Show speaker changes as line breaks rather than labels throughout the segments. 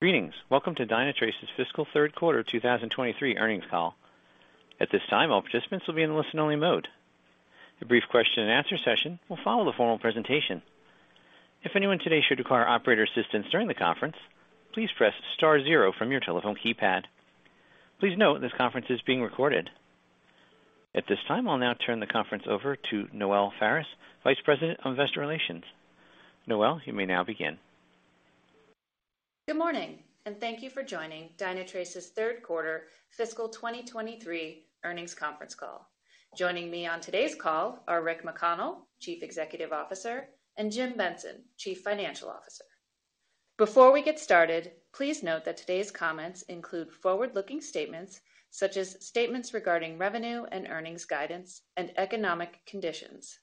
Greetings. Welcome to Dynatrace's fiscal third quarter 2023 earnings call. At this time, all participants will be in listen-only mode. A brief question-and-answer session will follow the formal presentation. If anyone today should require operator assistance during the conference, please press star zero from your telephone keypad. Please note this conference is being recorded. At this time, I'll now turn the conference over to Noelle Faris, Vice President of Investor Relations. Noelle, you may now begin.
Good morning, and thank you for joining Dynatrace's third quarter fiscal 2023 earnings conference call. Joining me on today's call are Rick McConnell, Chief Executive Officer, and Jim Benson, Chief Financial Officer. Before we get started, please note that today's comments include forward-looking statements such as statements regarding revenue and earnings guidance and economic conditions.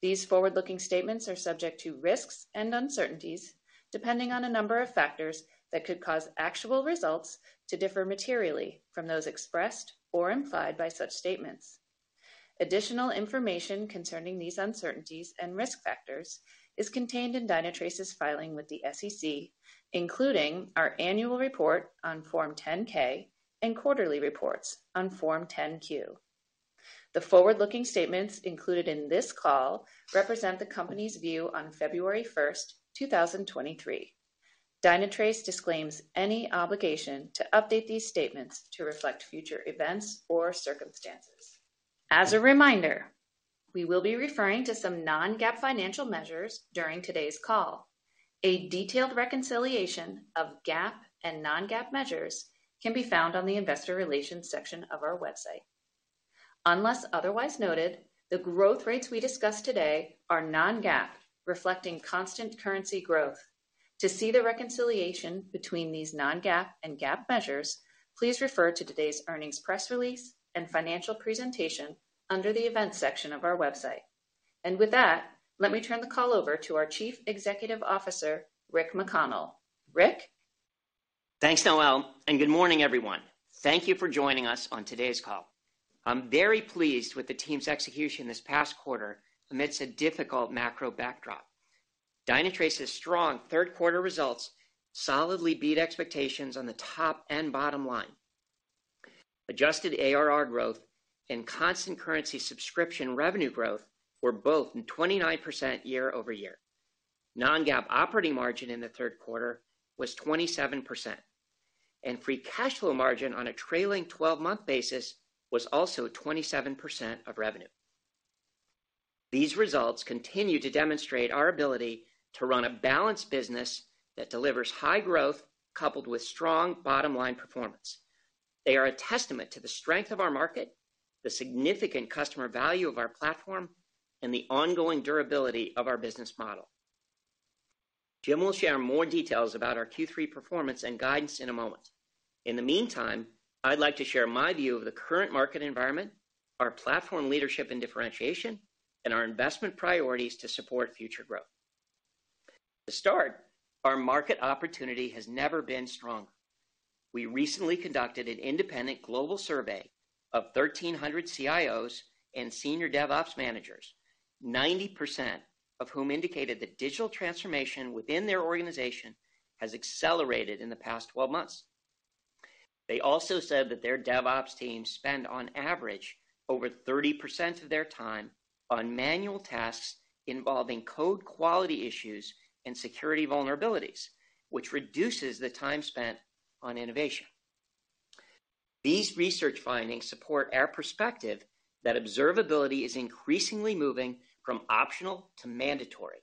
These forward-looking statements are subject to risks and uncertainties, depending on a number of factors that could cause actual results to differ materially from those expressed or implied by such statements. Additional information concerning these uncertainties and risk factors is contained in Dynatrace's filing with the SEC, including our annual report on Form 10-K and quarterly reports on Form 10-Q. The forward-looking statements included in this call represent the company's view on February 1, 2023. Dynatrace disclaims any obligation to update these statements to reflect future events or circumstances. As a reminder, we will be referring to some non-GAAP financial measures during today's call. A detailed reconciliation of GAAP and non-GAAP measures can be found on the investor relations section of our website. Unless otherwise noted, the growth rates we discussed today are non-GAAP, reflecting constant currency growth. To see the reconciliation between these non-GAAP and GAAP measures, please refer to today's earnings press release and financial presentation under the events section of our website. With that, let me turn the call over to our Chief Executive Officer, Rick McConnell. Rick?
Thanks, Noelle, and good morning, everyone. Thank you for joining us on today's call. I'm very pleased with the team's execution this past quarter amidst a difficult macro backdrop. Dynatrace's strong third quarter results solidly beat expectations on the top and bottom line. Adjusted ARR growth and constant currency subscription revenue growth were both 29% year-over-year. Non-GAAP operating margin in the third quarter was 27%, and free cash flow margin on a trailing twelve-month basis was also 27% of revenue. These results continue to demonstrate our ability to run a balanced business that delivers high growth coupled with strong bottom line performance. They are a testament to the strength of our market, the significant customer value of our platform, and the ongoing durability of our business model. Jim will share more details about our Q3 performance and guidance in a moment. In the meantime, I'd like to share my view of the current market environment, our platform leadership and differentiation, and our investment priorities to support future growth. Our market opportunity has never been stronger. We recently conducted an independent global survey of 1,300 CIOs and senior DevOps managers, 90% of whom indicated that digital transformation within their organization has accelerated in the past 12 months. They also said that their DevOps teams spend on average over 30% of their time on manual tasks involving code quality issues and security vulnerabilities, which reduces the time spent on innovation. These research findings support our perspective that observability is increasingly moving from optional to mandatory.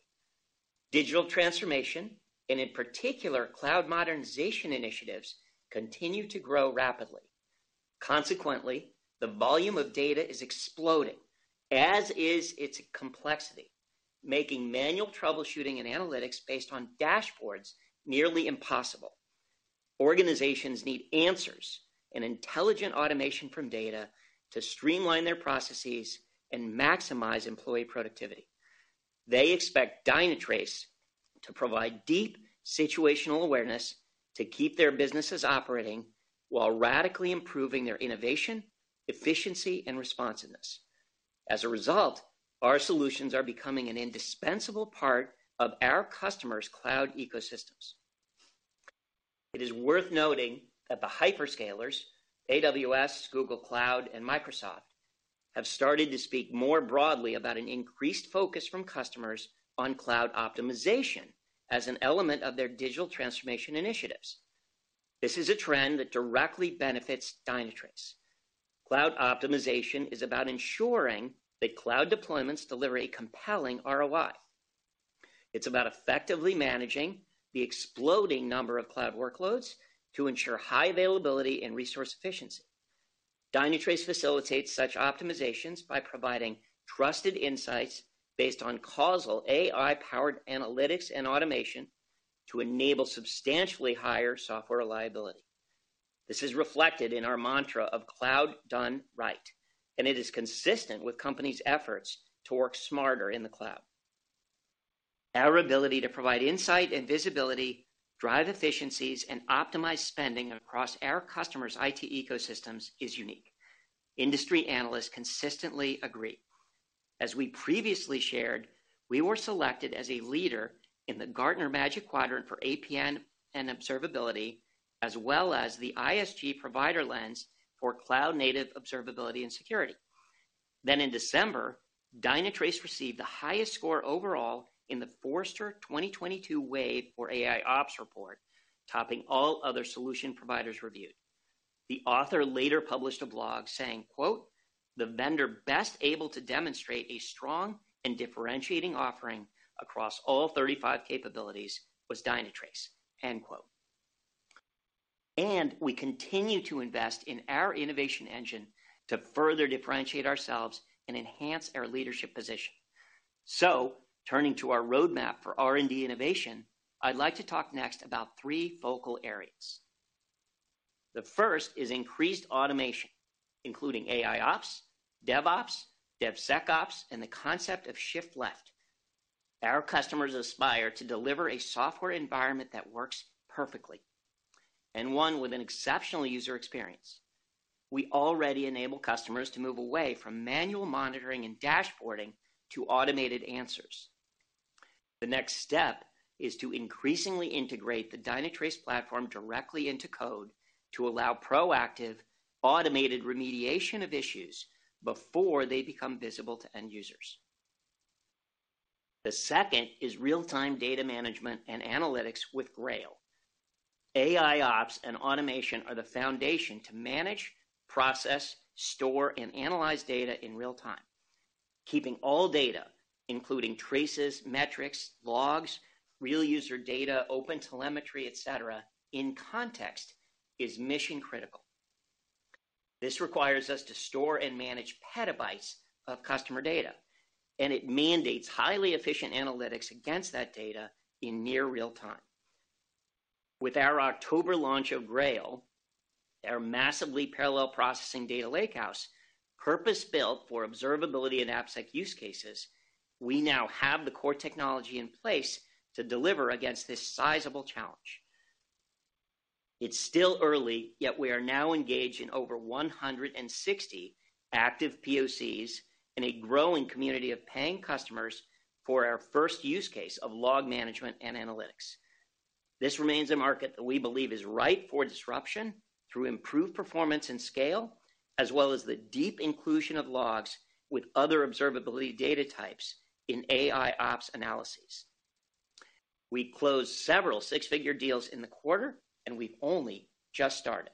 Digital transformation, and in particular, cloud modernization initiatives, continue to grow rapidly. The volume of data is exploding, as is its complexity, making manual troubleshooting and analytics based on dashboards nearly impossible. Organizations need answers and intelligent automation from data to streamline their processes and maximize employee productivity. They expect Dynatrace to provide deep situational awareness to keep their businesses operating while radically improving their innovation, efficiency, and responsiveness. As a result, our solutions are becoming an indispensable part of our customers' cloud ecosystems. It is worth noting that the hyperscalers, AWS, Google Cloud, and Microsoft, have started to speak more broadly about an increased focus from customers on cloud optimization as an element of their digital transformation initiatives. This is a trend that directly benefits Dynatrace. Cloud optimization is about ensuring that cloud deployments deliver a compelling ROI. It's about effectively managing the exploding number of cloud workloads to ensure high availability and resource efficiency. Dynatrace facilitates such optimizations by providing trusted insights based on causal AI-powered analytics and automation to enable substantially higher software liability. This is reflected in our mantra of cloud done right. It is consistent with companies' efforts to work smarter in the cloud. Our ability to provide insight and visibility, drive efficiencies, and optimize spending across our customers' IT ecosystems is unique. Industry analysts consistently agree. As we previously shared, we were selected as a leader in the Gartner Magic Quadrant for APM and Observability, as well as the ISG Provider Lens for Cloud Native Observability and Security. In December, Dynatrace received the highest score overall in the Forrester 2022 Wave for AIOps report, topping all other solution providers reviewed. The author later published a blog saying, quote, "The vendor best able to demonstrate a strong and differentiating offering across all 35 capabilities was Dynatrace," end quote. We continue to invest in our innovation engine to further differentiate ourselves and enhance our leadership position. Turning to our roadmap for R&D innovation, I'd like to talk next about three focal areas. The first is increased automation, including AIOps, DevOps, DevSecOps, and the concept of Shift Left. Our customers aspire to deliver a software environment that works perfectly, and one with an exceptional user experience. We already enable customers to move away from manual monitoring and dashboarding to automated answers. The next step is to increasingly integrate the Dynatrace platform directly into code to allow proactive, automated remediation of issues before they become visible to end users. The second is real-time data management and analytics with Grail. AIOps and automation are the foundation to manage, process, store, and analyze data in real time. Keeping all data, including traces, metrics, logs, real user data, OpenTelemetry, et cetera, in context, is mission critical. This requires us to store and manage petabytes of customer data, it mandates highly efficient analytics against that data in near real time. With our October launch of Grail, our massively parallel processing data lakehouse, purpose-built for observability and AppSec use cases, we now have the core technology in place to deliver against this sizable challenge. It's still early, yet we are now engaged in over 160 active POCs and a growing community of paying customers for our first use case of log management and analytics. This remains a market that we believe is ripe for disruption through improved performance and scale, as well as the deep inclusion of logs with other observability data types in AIOps analyses. We closed several six-figure deals in the quarter, we've only just started.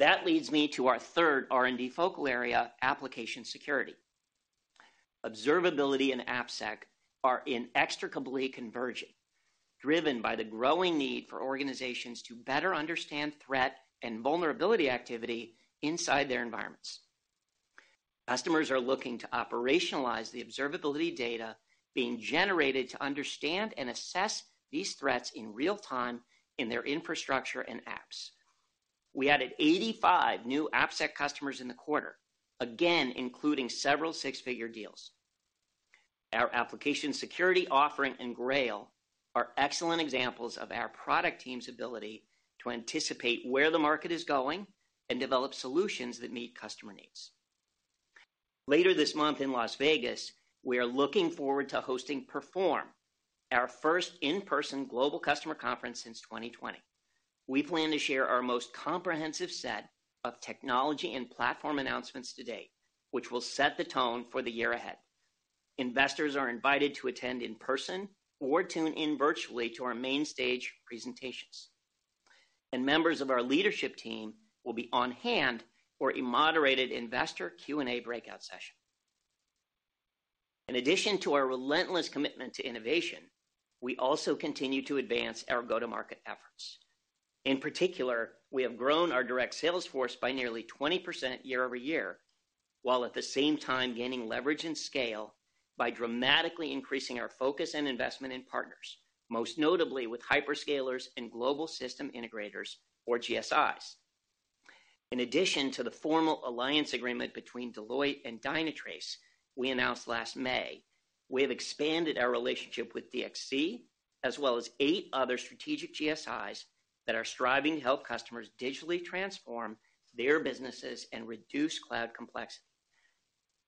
That leads me to our third R&D focal area, application security. Observability and AppSec are inextricably converging, driven by the growing need for organizations to better understand threat and vulnerability activity inside their environments. Customers are looking to operationalize the observability data being generated to understand and assess these threats in real time in their infrastructure and apps. We added 85 new AppSec customers in the quarter, again, including several six-figure deals. Our application security offering and Grail are excellent examples of our product team's ability to anticipate where the market is going and develop solutions that meet customer needs. Later this month in Las Vegas, we are looking forward to hosting Perform, our first in-person global customer conference since 2020. We plan to share our most comprehensive set of technology and platform announcements to date, which will set the tone for the year ahead. Investors are invited to attend in person or tune in virtually to our main stage presentations. Members of our leadership team will be on hand for a moderated investor Q&A breakout session. In addition to our relentless commitment to innovation, we also continue to advance our go-to-market efforts. In particular, we have grown our direct sales force by nearly 20% year-over-year, while at the same time gaining leverage and scale by dramatically increasing our focus and investment in partners, most notably with hyperscalers and global system integrators or GSIs. In addition to the formal alliance agreement between Deloitte and Dynatrace we announced last May, we have expanded our relationship with DXC, as well as eight other strategic GSIs that are striving to help customers digitally transform their businesses and reduce cloud complexity.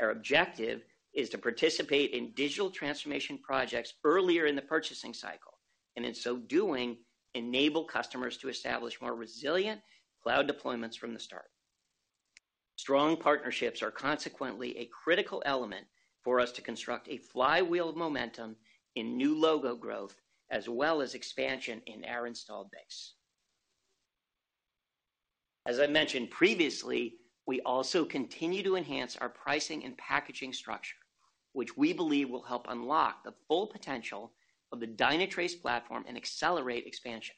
Our objective is to participate in digital transformation projects earlier in the purchasing cycle, and in so doing, enable customers to establish more resilient cloud deployments from the start. Strong partnerships are consequently a critical element for us to construct a flywheel of momentum in new logo growth, as well as expansion in our installed base. As I mentioned previously, we also continue to enhance our pricing and packaging structure, which we believe will help unlock the full potential of the Dynatrace platform and accelerate expansion.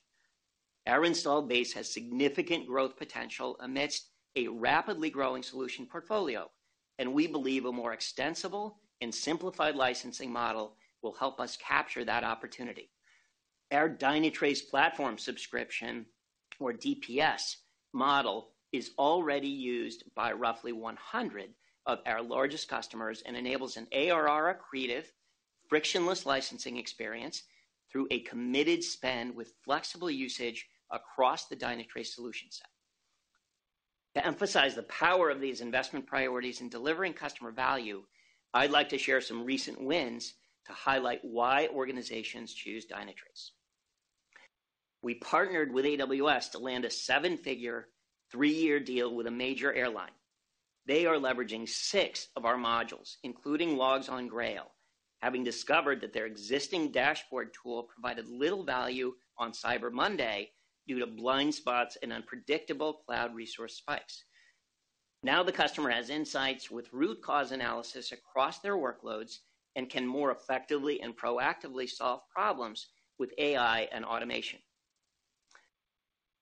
Our installed base has significant growth potential amidst a rapidly growing solution portfolio, and we believe a more extensible and simplified licensing model will help us capture that opportunity. Our Dynatrace Platform Subscription or DPS model is already used by roughly 100 of our largest customers and enables an ARR accretive frictionless licensing experience through a committed spend with flexible usage across the Dynatrace solution set. To emphasize the power of these investment priorities in delivering customer value, I'd like to share some recent wins to highlight why organizations choose Dynatrace. We partnered with AWS to land a seven-figure, 3-year deal with a major airline. They are leveraging 6 of our modules, including logs on Grail, having discovered that their existing dashboard tool provided little value on Cyber Monday due to blind spots and unpredictable cloud resource spikes. Now the customer has insights with root cause analysis across their workloads and can more effectively and proactively solve problems with AI and automation.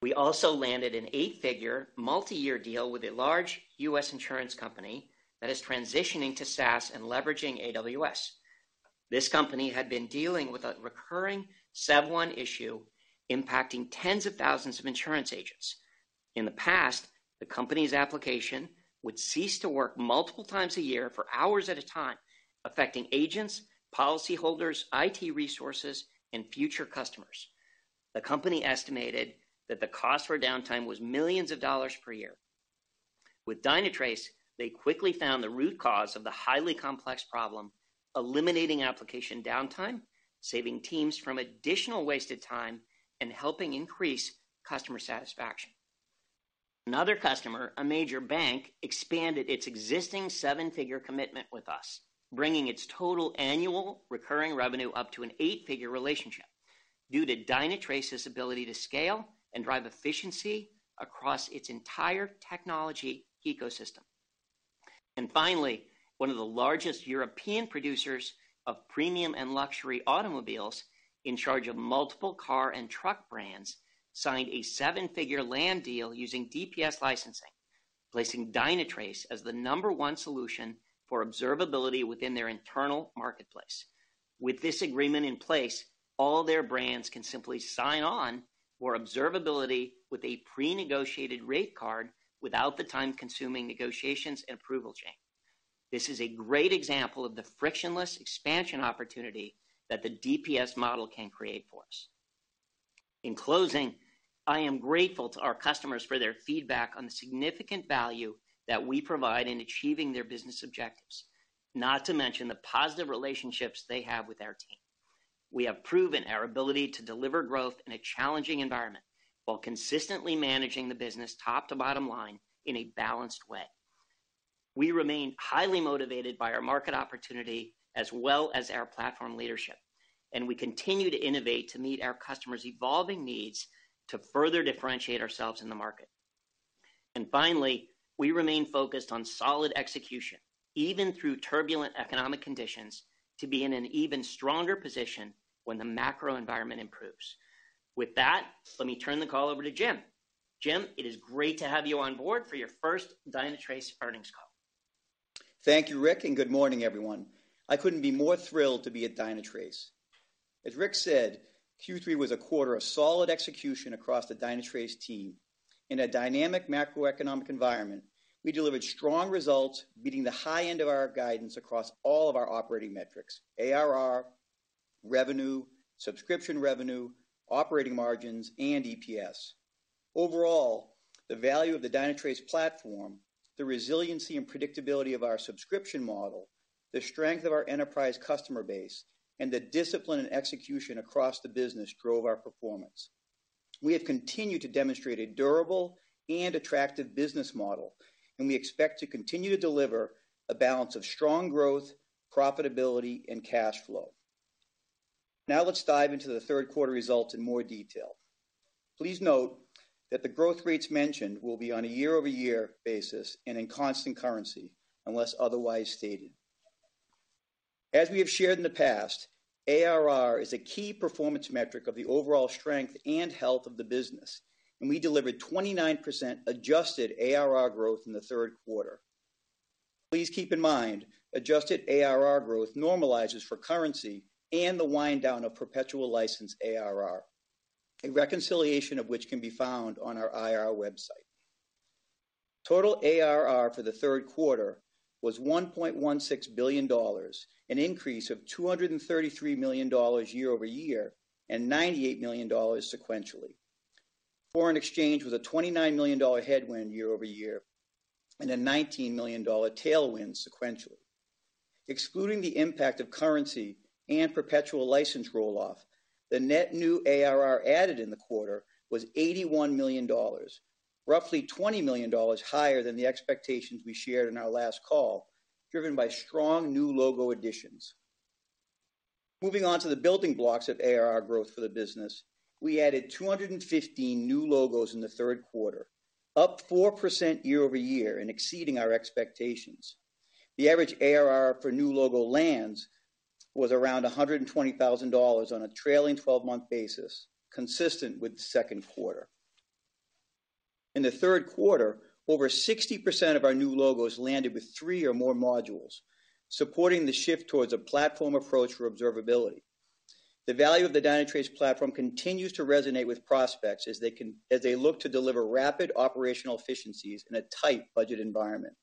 We also landed an eight-figure, multi-year deal with a large US insurance company that is transitioning to SaaS and leveraging AWS. This company had been dealing with a recurring Sev 1 issue impacting tens of thousands of insurance agents. In the past, the company's application would cease to work multiple times a year for hours at a time, affecting agents, policy holders, IT resources, and future customers. The company estimated that the cost for downtime was millions of dollars per year. With Dynatrace, they quickly found the root cause of the highly complex problem, eliminating application downtime, saving teams from additional wasted time, and helping increase customer satisfaction. Another customer, a major bank, expanded its existing seven-figure commitment with us, bringing its total annual recurring revenue up to an eight-figure relationship due to Dynatrace's ability to scale and drive efficiency across its entire technology ecosystem. Finally, one of the largest European producers of premium and luxury automobiles in charge of multiple car and truck brands signed a seven-figure land deal using DPS licensing, placing Dynatrace as the number one solution for observability within their internal marketplace. With this agreement in place, all their brands can simply sign on for observability with a pre-negotiated rate card without the time-consuming negotiations and approval chain. This is a great example of the frictionless expansion opportunity that the DPS model can create for us. In closing, I am grateful to our customers for their feedback on the significant value that we provide in achieving their business objectives, not to mention the positive relationships they have with our team. We have proven our ability to deliver growth in a challenging environment while consistently managing the business top to bottom line in a balanced way. We remain highly motivated by our market opportunity as well as our platform leadership, we continue to innovate to meet our customers' evolving needs to further differentiate ourselves in the market. Finally, we remain focused on solid execution, even through turbulent economic conditions, to be in an even stronger position when the macro environment improves. With that, let me turn the call over to Jim. Jim, it is great to have you on board for your first Dynatrace earnings call.
Thank you, Rick, and good morning, everyone. I couldn't be more thrilled to be at Dynatrace. As Rick said, Q3 was a quarter of solid execution across the Dynatrace team. In a dynamic macroeconomic environment, we delivered strong results beating the high end of our guidance across all of our operating metrics: ARR, revenue, subscription revenue, operating margins, and EPS. Overall, the value of the Dynatrace platform, the resiliency and predictability of our subscription model, the strength of our enterprise customer base, and the discipline and execution across the business drove our performance. We have continued to demonstrate a durable and attractive business model, and we expect to continue to deliver a balance of strong growth, profitability, and cash flow. Now let's dive into the third quarter results in more detail. Please note that the growth rates mentioned will be on a year-over-year basis and in constant currency unless otherwise stated. As we have shared in the past, ARR is a key performance metric of the overall strength and health of the business. We delivered 29% adjusted ARR growth in the third quarter. Please keep in mind, adjusted ARR growth normalizes for currency and the wind down of perpetual license ARR, a reconciliation of which can be found on our IR website. Total ARR for the third quarter was $1.16 billion, an increase of $233 million year-over-year and $98 million sequentially. Foreign exchange was a $29 million headwind year-over-year and a $19 million tailwind sequentially. Excluding the impact of currency and perpetual license roll-off, the net new ARR added in the quarter was $81 million, roughly $20 million higher than the expectations we shared in our last call, driven by strong new logo additions. Moving on to the building blocks of ARR growth for the business. We added 215 new logos in the third quarter, up 4% year-over-year and exceeding our expectations. The average ARR for new logo lands was around $120,000 on a trailing twelve-month basis, consistent with the second quarter. In the third quarter, over 60% of our new logos landed with 3 or more modules, supporting the shift towards a platform approach for observability. The value of the Dynatrace platform continues to resonate with prospects as they look to deliver rapid operational efficiencies in a tight budget environment.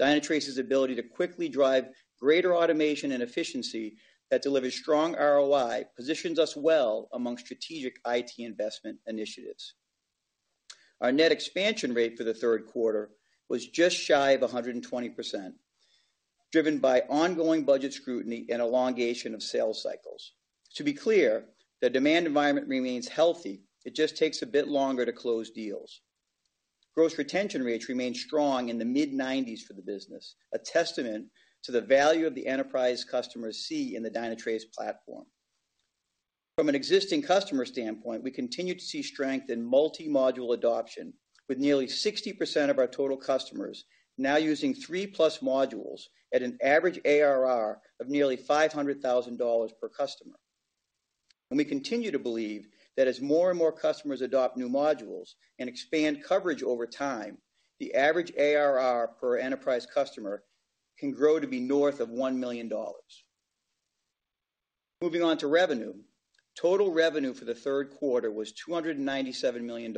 Dynatrace's ability to quickly drive greater automation and efficiency that delivers strong ROI positions us well among strategic IT investment initiatives. Our net expansion rate for the third quarter was just shy of 120%, driven by ongoing budget scrutiny and elongation of sales cycles. To be clear, the demand environment remains healthy. It just takes a bit longer to close deals. Gross retention rates remain strong in the mid-90s for the business, a testament to the value of the enterprise customers see in the Dynatrace platform. From an existing customer standpoint, we continue to see strength in multi-module adoption, with nearly 60% of our total customers now using 3-plus modules at an average ARR of nearly $500,000 per customer. We continue to believe that as more and more customers adopt new modules and expand coverage over time, the average ARR per enterprise customer can grow to be north of $1 million. Moving on to revenue, total revenue for the third quarter was $297 million,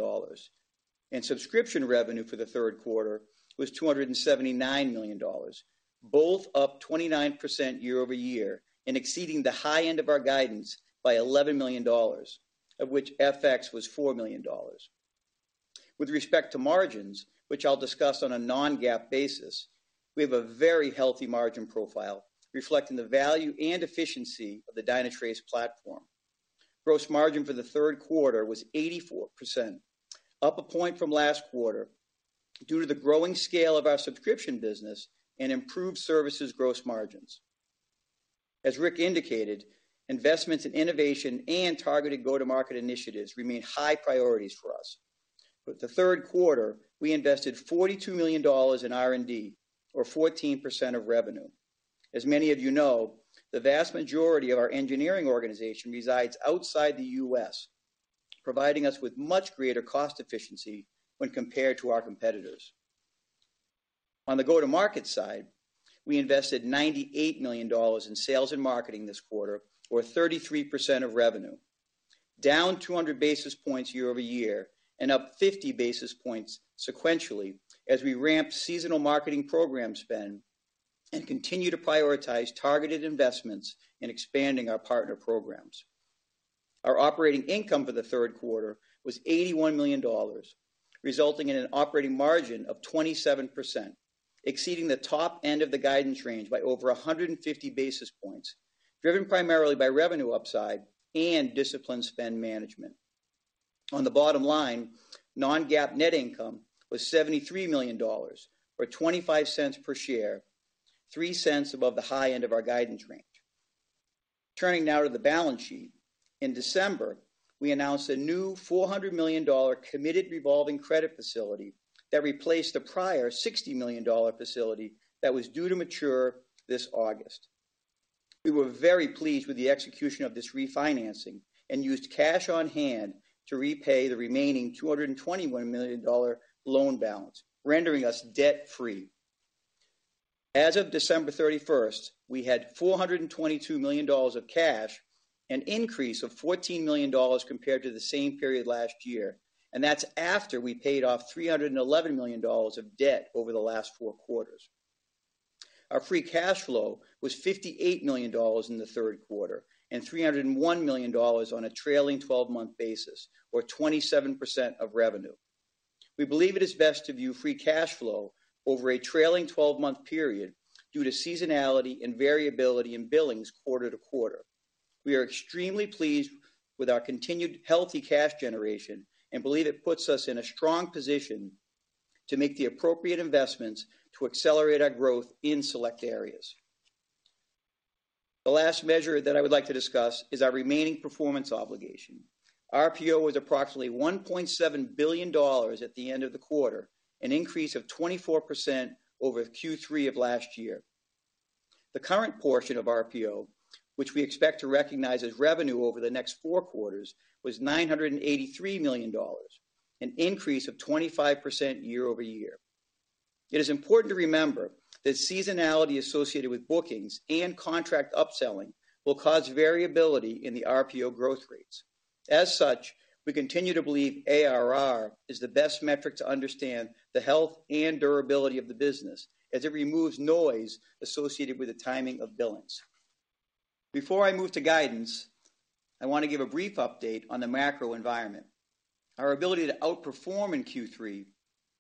and subscription revenue for the third quarter was $279 million, both up 29% year-over-year and exceeding the high end of our guidance by $11 million, of which FX was $4 million. With respect to margins, which I'll discuss on a non-GAAP basis, we have a very healthy margin profile reflecting the value and efficiency of the Dynatrace platform. Gross margin for the third quarter was 84%, up a point from last quarter due to the growing scale of our subscription business and improved services gross margins. As Rick indicated, investments in innovation and targeted go-to-market initiatives remain high priorities for us. For the third quarter, we invested $42 million in R&D, or 14% of revenue. As many of you know, the vast majority of our engineering organization resides outside the U.S., providing us with much greater cost efficiency when compared to our competitors. On the go-to-market side, we invested $98 million in sales and marketing this quarter, or 33% of revenue, down 200 basis points year-over-year and up 50 basis points sequentially as we ramped seasonal marketing program spend and continue to prioritize targeted investments in expanding our partner programs. Our operating income for the third quarter was $81 million, resulting in an operating margin of 27%, exceeding the top end of the guidance range by over 150 basis points, driven primarily by revenue upside and disciplined spend management. On the bottom line, non-GAAP net income was $73 million, or $0.25 per share, $0.03 above the high end of our guidance range. Turning now to the balance sheet, in December, we announced a new $400 million committed revolving credit facility that replaced a prior $60 million facility that was due to mature this August. We were very pleased with the execution of this refinancing and used cash on hand to repay the remaining $221 million loan balance, rendering us debt-free. As of December 31st, we had $422 million of cash, an increase of $14 million compared to the same period last year. That's after we paid off $311 million of debt over the last four quarters. Our free cash flow was $58 million in the third quarter and $301 million on a trailing 12-month basis, or 27% of revenue. We believe it is best to view free cash flow over a trailing 12-month period due to seasonality and variability in billings quarter-to-quarter. We are extremely pleased with our continued healthy cash generation and believe it puts us in a strong position to make the appropriate investments to accelerate our growth in select areas. The last measure that I would like to discuss is our remaining performance obligation. RPO was approximately $1.7 billion at the end of the quarter, an increase of 24% over Q3 of last year. The current portion of RPO, which we expect to recognize as revenue over the next 4 quarters, was $983 million, an increase of 25% year-over-year. It is important to remember that seasonality associated with bookings and contract upselling will cause variability in the RPO growth rates. We continue to believe ARR is the best metric to understand the health and durability of the business as it removes noise associated with the timing of billings. Before I move to guidance, I want to give a brief update on the macro environment. Our ability to outperform in Q3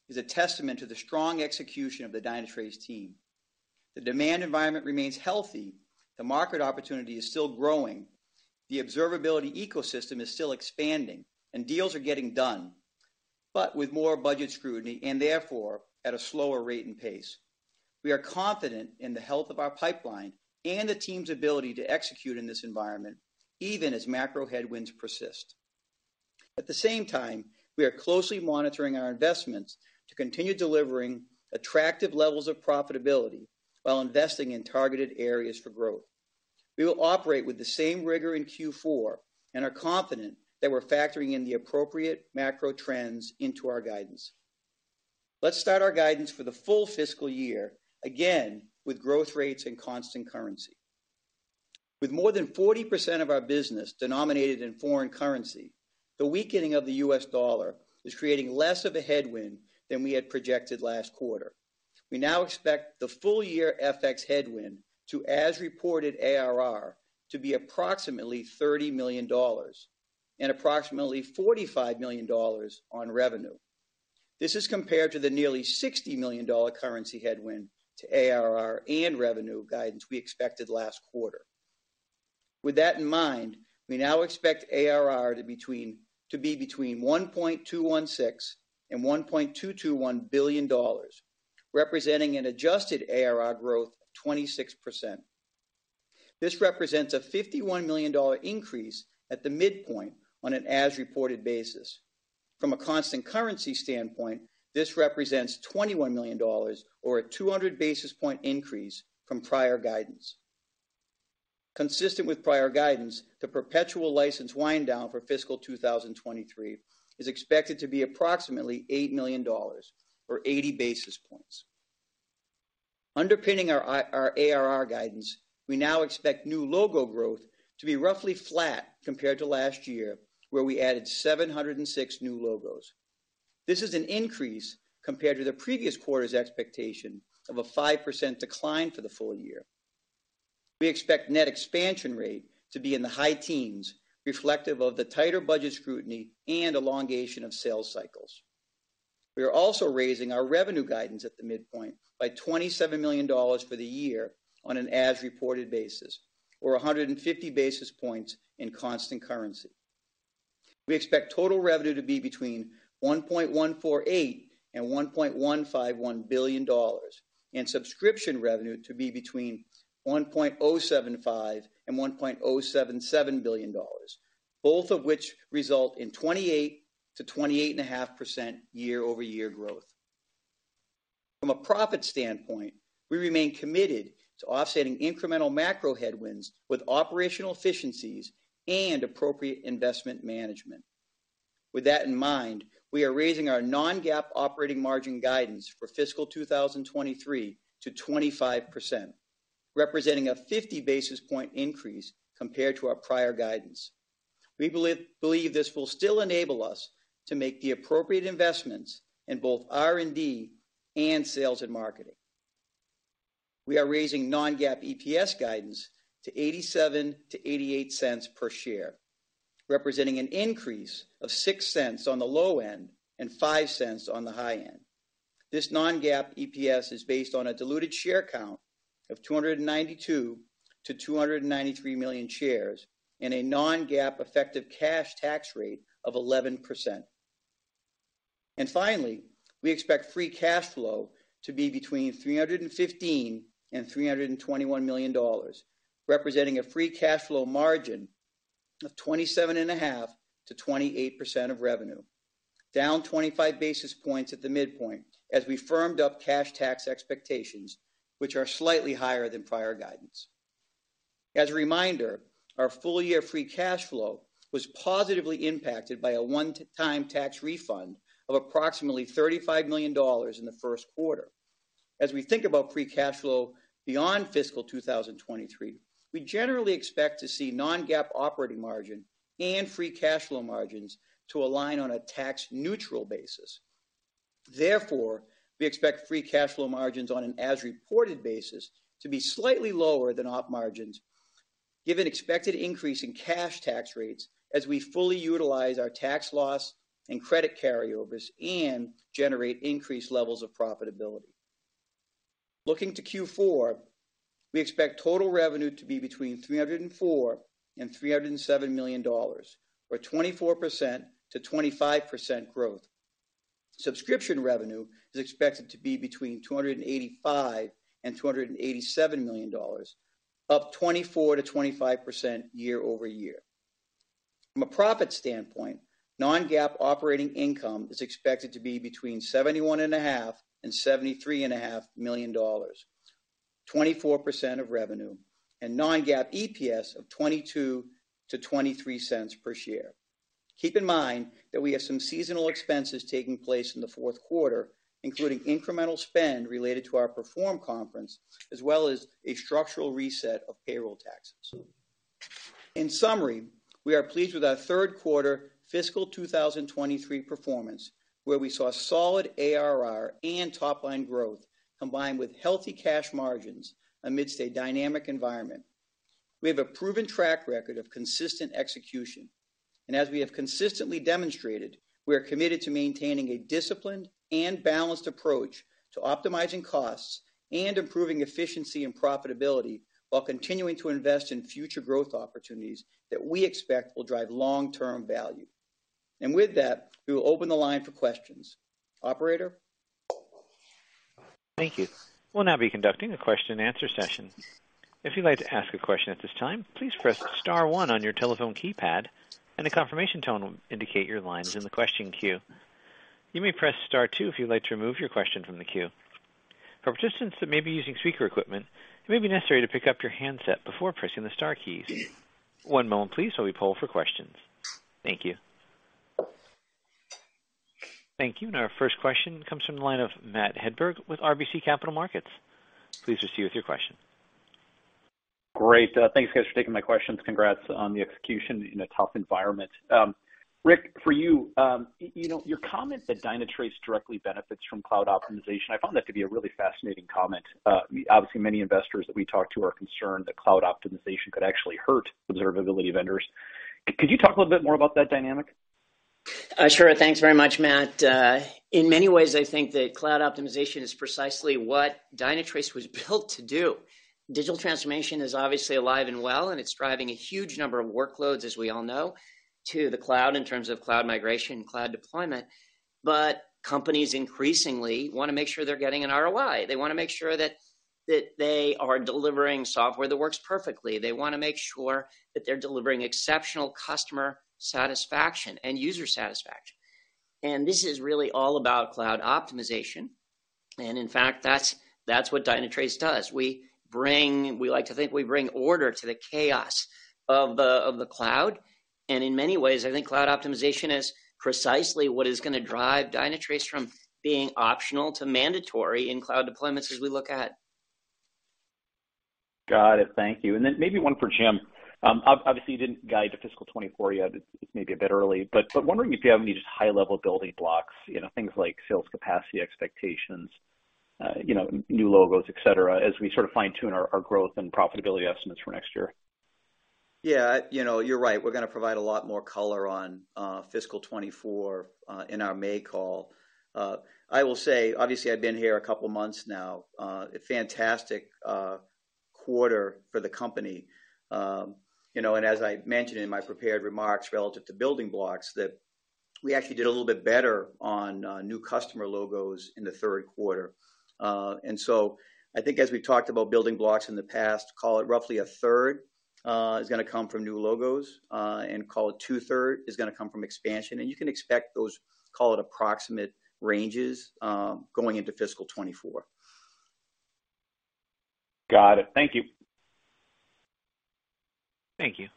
is a testament to the strong execution of the Dynatrace team. The demand environment remains healthy, the market opportunity is still growing, the observability ecosystem is still expanding, and deals are getting done, but with more budget scrutiny and therefore at a slower rate and pace. We are confident in the health of our pipeline and the team's ability to execute in this environment, even as macro headwinds persist. At the same time, we are closely monitoring our investments to continue delivering attractive levels of profitability while investing in targeted areas for growth. We will operate with the same rigor in Q4 and are confident that we're factoring in the appropriate macro trends into our guidance. Let's start our guidance for the full fiscal year, again, with growth rates and constant currency. With more than 40% of our business denominated in foreign currency, the weakening of the US dollar is creating less of a headwind than we had projected last quarter. We now expect the full year FX headwind to as-reported ARR to be approximately $30 million and approximately $45 million on revenue. This is compared to the nearly $60 million currency headwind to ARR and revenue guidance we expected last quarter. With that in mind, we now expect ARR to be between $1.216 billion and $1.221 billion, representing an adjusted ARR growth of 26%. This represents a $51 million increase at the midpoint on an as-reported basis. From a constant currency standpoint, this represents $21 million or a 200 basis point increase from prior guidance. Consistent with prior guidance, the perpetual license wind down for fiscal 2023 is expected to be approximately $8 million or 80 basis points. Underpinning our ARR guidance, we now expect new logo growth to be roughly flat compared to last year, where we added 706 new logos. This is an increase compared to the previous quarter's expectation of a 5% decline for the full year. We expect net expansion rate to be in the high teens, reflective of the tighter budget scrutiny and elongation of sales cycles. We are also raising our revenue guidance at the midpoint by $27 million for the year on an as-reported basis, or 150 basis points in constant currency. We expect total revenue to be between $1.148 billion and $1.151 billion and subscription revenue to be between $1.075 billion and $1.077 billion, both of which result in 28% to 28.5% year-over-year growth. From a profit standpoint, we remain committed to offsetting incremental macro headwinds with operational efficiencies and appropriate investment management. With that in mind, we are raising our non-GAAP operating margin guidance for fiscal 2023 to 25%, representing a 50 basis point increase compared to our prior guidance. We believe this will still enable us to make the appropriate investments in both R&D and sales and marketing. We are raising non-GAAP EPS guidance to $0.87-$0.88 per share, representing an increase of $0.06 on the low end and $0.05 on the high end. This non-GAAP EPS is based on a diluted share count of 292 million-293 million shares and a non-GAAP effective cash tax rate of 11%. Finally, we expect free cash flow to be between $315 million and $321 million, representing a free cash flow margin of 27.5%-28% of revenue, down 25 basis points at the midpoint as we firmed up cash tax expectations, which are slightly higher than prior guidance. As a reminder, our full year free cash flow was positively impacted by a one-time tax refund of approximately $35 million in the first quarter. As we think about free cash flow beyond fiscal 2023, we generally expect to see non-GAAP operating margin and free cash flow margins to align on a tax neutral basis. We expect free cash flow margins on an as-reported basis to be slightly lower than op margins given expected increase in cash tax rates as we fully utilize our tax loss and credit carryovers and generate increased levels of profitability. Looking to Q4, we expect total revenue to be between $304 million and $307 million or 24%-25% growth. Subscription revenue is expected to be between $285 million and $287 million, up 24%-25% year-over-year. From a profit standpoint, non-GAAP operating income is expected to be between $71 and a half million and $73 and a half million, 24% of revenue and non-GAAP EPS of $0.22-$0.23 per share. Keep in mind that we have some seasonal expenses taking place in the 4th quarter, including incremental spend related to our Perform conference, as well as a structural reset of payroll taxes. In summary, we are pleased with our 3rd quarter fiscal 2023 performance, where we saw solid ARR and top line growth combined with healthy cash margins amidst a dynamic environment. We have a proven track record of consistent execution. As we have consistently demonstrated, we are committed to maintaining a disciplined and balanced approach to optimizing costs and improving efficiency and profitability while continuing to invest in future growth opportunities that we expect will drive long-term value. With that, we will open the line for questions. Operator?
Thank you. We'll now be conducting a question and answer session. If you'd like to ask a question at this time, please press star one on your telephone keypad and a confirmation tone will indicate your line is in the question queue. You may press star two if you'd like to remove your question from the queue. For participants that may be using speaker equipment, it may be necessary to pick up your handset before pressing the star keys. One moment please while we poll for questions. Thank you. Thank you. Our first question comes from the line of Matt Hedberg with RBC Capital Markets. Please proceed with your question.
Great. Thanks guys for taking my questions. Congrats on the execution in a tough environment. Rick, for you know, your comment that Dynatrace directly benefits from cloud optimization, I found that to be a really fascinating comment. Obviously, many investors that we talk to are concerned that cloud optimization could actually hurt observability vendors. Could you talk a little bit more about that dynamic?
Sure. Thanks very much, Matt. In many ways, I think that cloud optimization is precisely what Dynatrace was built to do. Digital transformation is obviously alive and well, and it's driving a huge number of workloads, as we all know, to the cloud in terms of cloud migration and cloud deployment. But companies increasingly wanna make sure they're getting an ROI. They wanna make sure that they are delivering software that works perfectly. They wanna make sure that they're delivering exceptional customer satisfaction and user satisfaction. And this is really all about cloud optimization. And in fact, that's what Dynatrace does. We like to think we bring order to the chaos of the cloud. And in many ways, I think cloud optimization is precisely what is gonna drive Dynatrace from being optional to mandatory in cloud deployments as we look ahead.
Got it. Thank you. Then maybe one for Jim. obviously, you didn't guide to fiscal 2024 yet. It's maybe a bit early. wondering if you have any just high-level building blocks, you know, things like sales capacity expectations, you know, new logos, et cetera, as we sort of fine-tune our growth and profitability estimates for next year.
Yeah, you know, you're right. We're gonna provide a lot more color on fiscal 2024 in our May call. I will say, obviously, I've been here a couple months now. A fantastic quarter for the company. You know, and as I mentioned in my prepared remarks relative to building blocks, that we actually did a little bit better on new customer logos in the third quarter. So, I think as we talked about building blocks in the past, call it roughly a third is gonna come from new logos, and call it two-third is gonna come from expansion. You can expect those, call it, approximate ranges, going into fiscal 2024.
Got it. Thank you.
Thank you.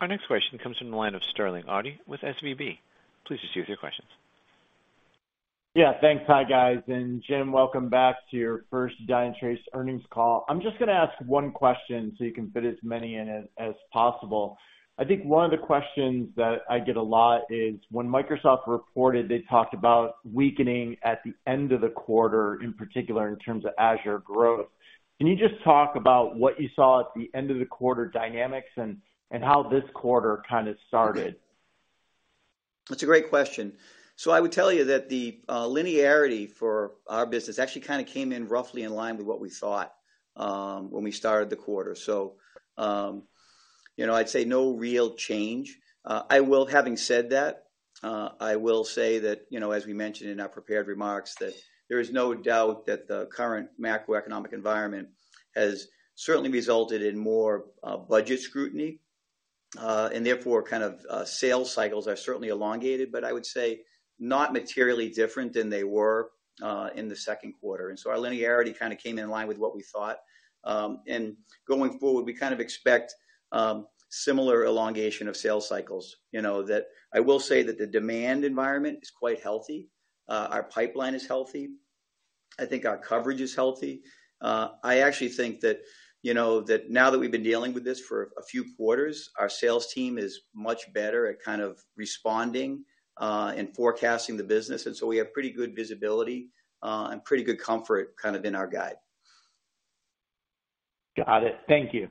Our next question comes from the line of Sterling Auty with SVB. Please proceed with your questions.
Yeah. Thanks. Hi, guys. Jim, welcome back to your first Dynatrace earnings call. I'm just gonna ask one question, so you can fit as many in as possible. I think one of the questions that I get a lot is, when Microsoft reported, they talked about weakening at the end of the quarter, in particular in terms of Azure growth. Can you just talk about what you saw at the end of the quarter dynamics and how this quarter kind of started?
That's a great question. I would tell you that the linearity for our business actually kinda came in roughly in line with what we thought when we started the quarter. You know, I'd say no real change. Having said that, I will say that, you know, as we mentioned in our prepared remarks, that there is no doubt that the current macroeconomic environment has certainly resulted in more budget scrutiny, and therefore kind of sales cycles are certainly elongated, but I would say not materially different than they were in the second quarter. Our linearity kinda came in line with what we thought. Going forward, we kind of expect similar elongation of sales cycles. You know, I will say that the demand environment is quite healthy. Our pipeline is healthy. I think our coverage is healthy. I actually think that, you know, that now that we've been dealing with this for a few quarters, our sales team is much better at kind of responding and forecasting the business. We have pretty good visibility and pretty good comfort kind of in our guide.
Got it. Thank you.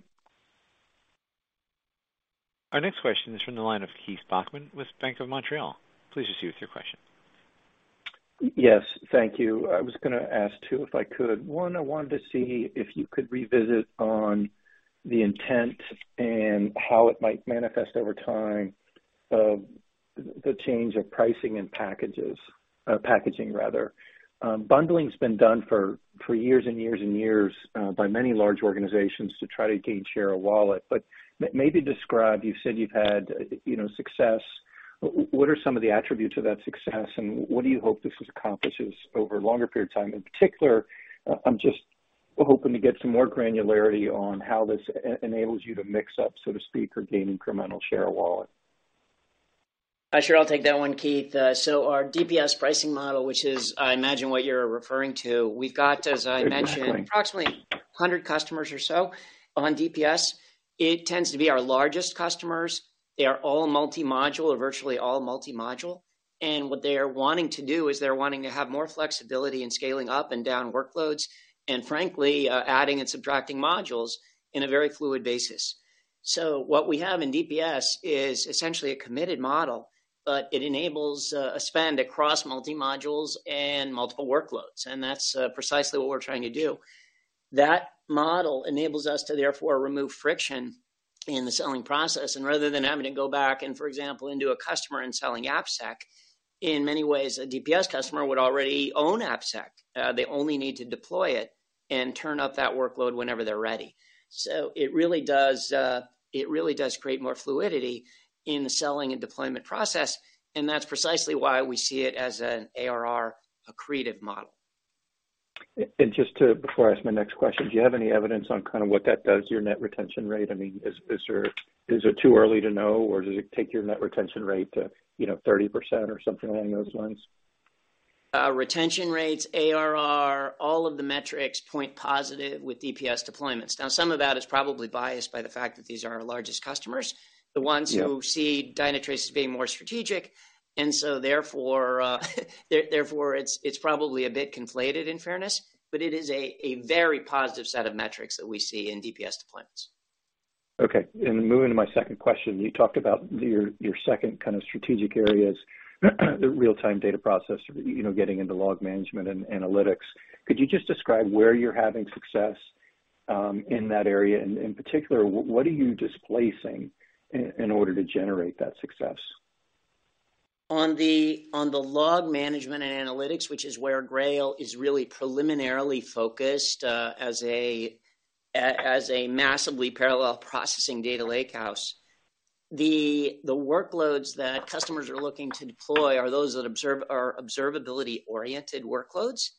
Our next question is from the line of Keith Bachman with Bank of Montreal. Please proceed with your question.
Yes. Thank you. I was gonna ask, too, if I could. 1, I wanted to see if you could revisit on the intent and how it might manifest over time of the change of pricing and packages, packaging rather. Bundling's been done for years and years and years, by many large organizations to try to gain share of wallet. But maybe describe, you said you've had, you know, success. What are some of the attributes of that success, and what do you hope this accomplishes over a longer period of time? In particular, I'm just hoping to get some more granularity on how this enables you to mix up, so to speak, or gain incremental share of wallet.
Sure. I'll take that one, Keith. Our DPS pricing model, which is I imagine what you're referring to, we've got, as I mentioned-
Exactly...
approximately 100 customers or so on DPS. It tends to be our largest customers. They are all multi-module or virtually all multi-module, and what they are wanting to do is they're wanting to have more flexibility in scaling up and down workloads and frankly, adding and subtracting modules in a very fluid basis. What we have in DPS is essentially a committed model, but it enables a spend across multi-modules and multiple workloads, and that's precisely what we're trying to do. That model enables us to therefore remove friction in the selling process. Rather than having to go back and, for example, into a customer and selling AppSec, in many ways a DPS customer would already own AppSec. They only need to deploy it and turn up that workload whenever they're ready. It really does create more fluidity in the selling and deployment process, and that's precisely why we see it as an ARR accretive model.
Just before I ask my next question, do you have any evidence on kind of what that does to your net retention rate? I mean, is it too early to know, or does it take your net retention rate to, you know, 30% or something along those lines?
retention rates, ARR, all of the metrics point positive with DPS deployments. Some of that is probably biased by the fact that these are our largest customers.
Yeah.
Therefore it's probably a bit conflated in fairness, but it is a very positive set of metrics that we see in DPS deployments.
Okay. Moving to my second question, you talked about your second kind of strategic areas, the real-time data processor, you know, getting into log management and analytics. Could you just describe where you're having success in that area? In particular, what are you displacing in order to generate that success?
On the log management and analytics, which is where Grail is really preliminarily focused, as a massively parallel processing data lakehouse. The workloads that customers are looking to deploy are those that observability-oriented workloads,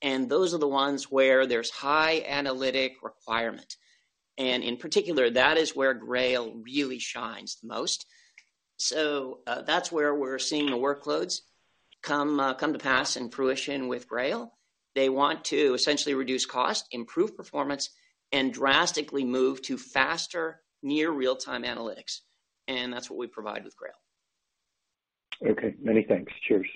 and those are the ones where there's high analytic requirement. In particular, that is where Grail really shines the most. That's where we're seeing the workloads come to pass in fruition with Grail. They want to essentially reduce cost, improve performance, and drastically move to faster near real-time analytics, and that's what we provide with Grail.
Okay. Many thanks. Cheers.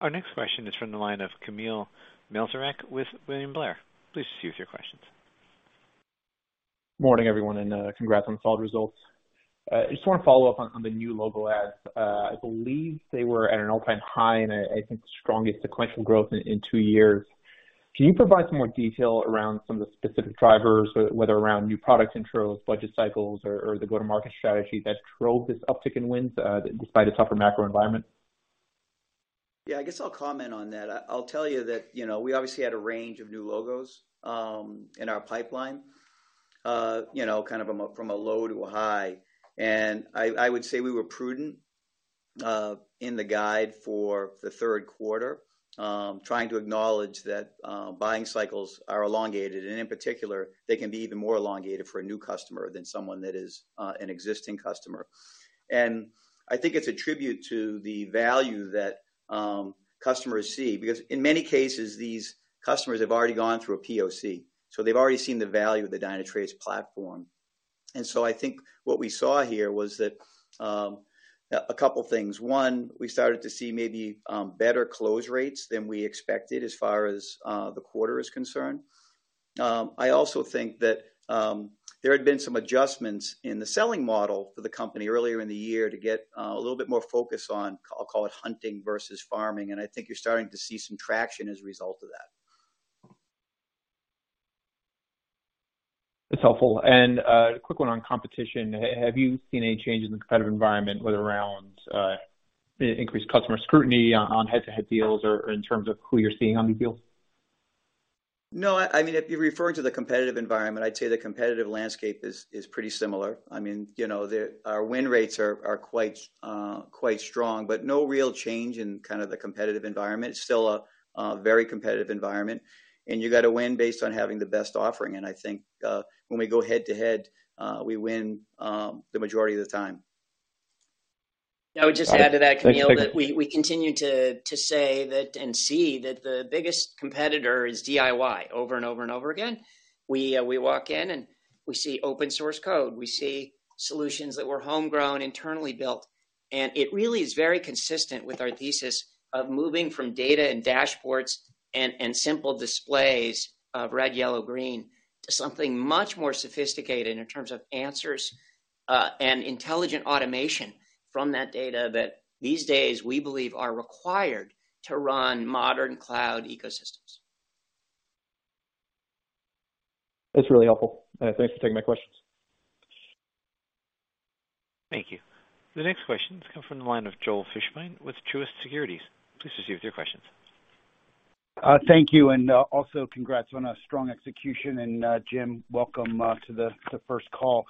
Our next question is from the line of Kamil Mielczarek with William Blair. Please proceed with your questions.
Morning, everyone, congrats on the solid results. I just wanna follow up on the new logo adds. I believe they were at an all-time high and I think the strongest sequential growth in 2 years. Can you provide some more detail around some of the specific drivers, whether around new product intros, budget cycles or the go-to-market strategy that drove this uptick in wins despite a tougher macro environment?
I guess I'll comment on that. I'll tell you that, you know, we obviously had a range of new logos in our pipeline. You know, kind of from a, from a low to a high. I would say we were prudent in the guide for the third quarter, trying to acknowledge that buying cycles are elongated, and in particular, they can be even more elongated for a new customer than someone that is an existing customer. I think it's a tribute to the value that customers see, because in many cases, these customers have already gone through a POC. They've already seen the value of the Dynatrace platform. I think what we saw here was that a couple things. One, we started to see maybe better close rates than we expected as far as the quarter is concerned. I also think that there had been some adjustments in the selling model for the company earlier in the year to get a little bit more focused on, I'll call it hunting versus farming, and I think you're starting to see some traction as a result of that.
That's helpful. Quick one on competition. Have you seen any changes in the competitive environment, whether around in increased customer scrutiny on head-to-head deals or in terms of who you're seeing on these deals?
No. I mean, if you're referring to the competitive environment, I'd say the competitive landscape is pretty similar. I mean, you know, our win rates are quite strong, no real change in kind of the competitive environment. It's still a very competitive environment, you gotta win based on having the best offering. I think when we go head-to-head, we win the majority of the time.
All right. Thanks.
I would just add to that, Kamil, that we continue to say that, and see that the biggest competitor is DIY over and over and over again. We walk in and we see open source code. We see solutions that were homegrown, internally built. It really is very consistent with our thesis of moving from data and dashboards and simple displays of red, yellow, green to something much more sophisticated in terms of answers and intelligent automation from that data that these days we believe are required to run modern cloud ecosystems.
That's really helpful. Thanks for taking my questions.
Thank you. The next question comes from the line of Joel Fishbein with Truist Securities. Please proceed with your questions.
Thank you, and also congrats on a strong execution. Jim, welcome to the first call.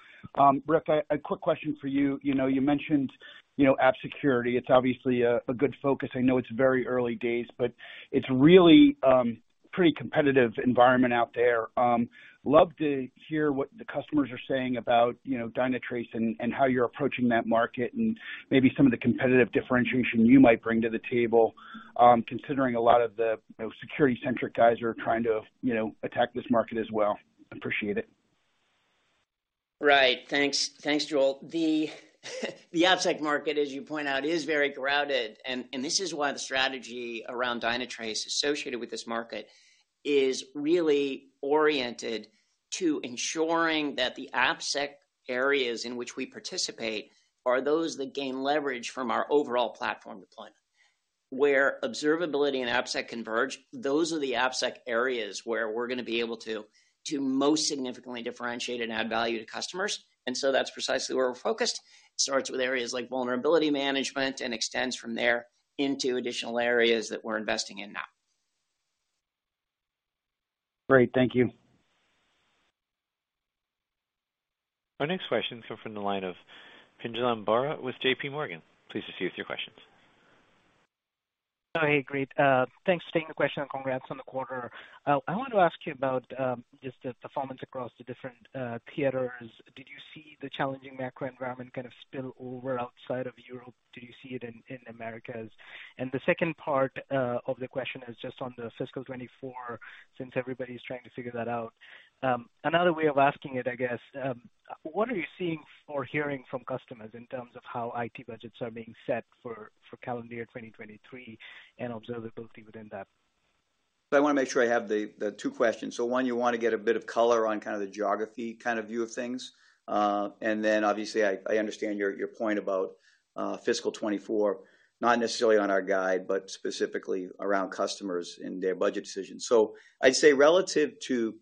Rick, a quick question for you. You know, you mentioned, you know, app security. It's obviously a good focus. I know it's very early days, but it's really pretty competitive environment out there. Love to hear what the customers are saying about, you know, Dynatrace and how you're approaching that market, and maybe some of the competitive differentiation you might bring to the table, considering a lot of the, you know, security-centric guys are trying to, you know, attack this market as well. Appreciate it.
Right. Thanks. Thanks, Joel. The AppSec market, as you point out, is very crowded, and this is why the strategy around Dynatrace associated with this market is really oriented to ensuring that the AppSec areas in which we participate are those that gain leverage from our overall platform deployment. Where observability and AppSec converge, those are the AppSec areas where we're gonna be able to most significantly differentiate and add value to customers. That's precisely where we're focused. It starts with areas like vulnerability management and extends from there into additional areas that we're investing in now. Great. Thank you.
Our next question comes from the line of Pinjalim Bora with J.P. Morgan. Please proceed with your questions.
Oh, hey, great. thanks for taking the question, and congrats on the quarter. I wanted to ask you about, just the performance across the different, theaters. Did you see the challenging macro environment kind of spill over outside of Europe? Did you see it in Americas? The second part, of the question is just on the fiscal 2024, since everybody's trying to figure that out. Another way of asking it, I guess, what are you seeing or hearing from customers in terms of how IT budgets are being set for calendar year 2023 and observability within that?
I wanna make sure I have the two questions. One, you wanna get a bit of color on kind of the geography kind of view of things. Obviously I understand your point about fiscal 24, not necessarily on our guide, but specifically around customers and their budget decisions. I'd say relative to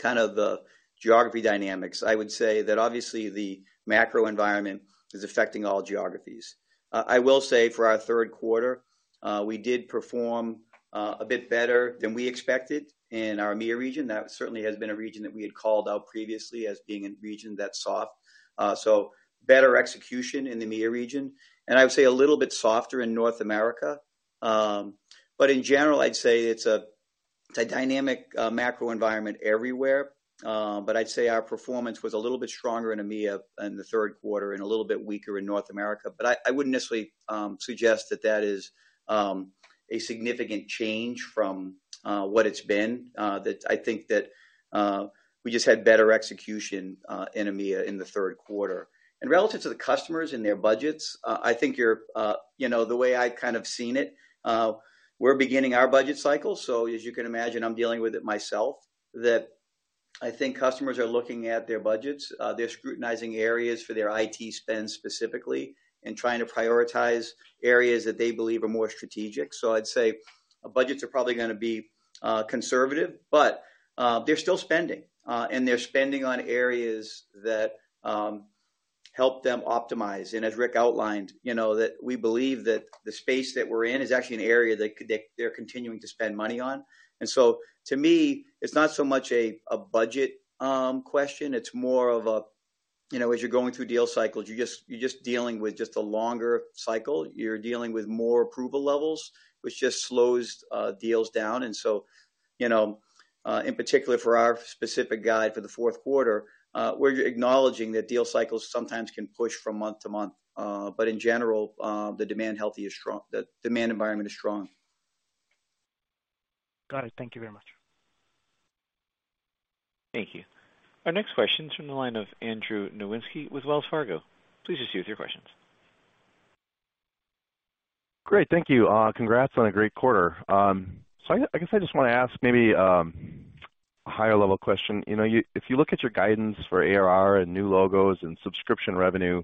kind of the geography dynamics, I would say that obviously the macro environment is affecting all geographies. I will say for our third quarter, we did perform a bit better than we expected in our EMEIA region. That certainly has been a region that we had called out previously as being a region that's soft. Better execution in the EMEIA region, and I would say a little bit softer in North America. In general, I'd say it's a dynamic macro environment everywhere. I'd say our performance was a little bit stronger in EMEIA in the third quarter and a little bit weaker in North America. I wouldn't necessarily suggest that that is a significant change from what it's been. I think that we just had better execution in EMEIA in the third quarter. Relative to the customers and their budgets, I think you're, you know, the way I've kind of seen it, we're beginning our budget cycle, so as you can imagine, I'm dealing with it myself, that I think customers are looking at their budgets, they're scrutinizing areas for their IT spend specifically and trying to prioritize areas that they believe are more strategic. I'd say budgets are probably gonna be conservative, but they're still spending, and they're spending on areas that help them optimize. As Rick outlined, you know, that we believe that the space that we're in is actually an area that they're continuing to spend money on. To me, it's not so much a budget question, it's more of a, you know, as you're going through deal cycles, you're just dealing with just a longer cycle. You're dealing with more approval levels, which just slows deals down. You know, in particular for our specific guide for the fourth quarter, we're acknowledging that deal cycles sometimes can push from month to month. But in general, the demand healthy is strong. The demand environment is strong.
Got it. Thank you very much.
Thank you. Our next question's from the line of Andrew Nowinski with Wells Fargo. Please proceed with your questions.
Great. Thank you. Congrats on a great quarter. I guess I just wanna ask maybe a higher level question. You know, if you look at your guidance for ARR and new logos and subscription revenue,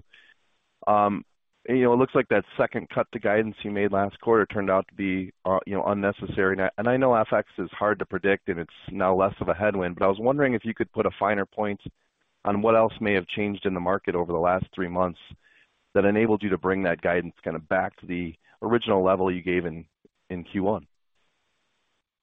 you know, it looks like that second cut to guidance you made last quarter turned out to be, you know, unnecessary. Now, I know FX is hard to predict, and it's now less of a headwind, but I was wondering if you could put a finer point on what else may have changed in the market over the last three months that enabled you to bring that guidance kinda back to the original level you gave in Q1.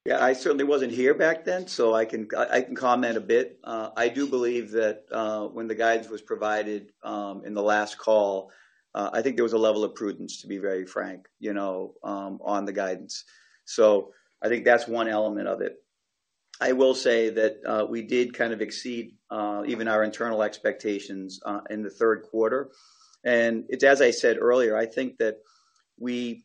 Yeah. I certainly wasn't here back then, so I can comment a bit. I do believe that when the guidance was provided, in the last call, I think there was a level of prudence, to be very frank, you know, on the guidance. I think that's one element of it. I will say that we did kind of exceed even our internal expectations in the third quarter. It's as I said earlier, I think that we, you